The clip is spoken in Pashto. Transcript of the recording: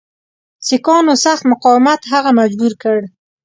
سیکهانو سخت مقاومت هغه مجبور کړ.